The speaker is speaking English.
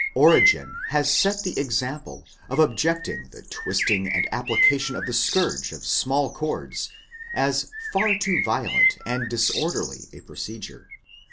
Origen has set the example of objecting to the twisting and application of the scourge of small cords, as far too violent and disorderly a procedure.